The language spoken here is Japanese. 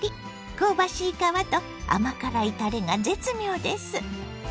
香ばしい皮と甘辛いたれが絶妙です。